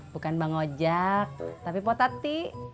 bukan bang ojak tapi bu tati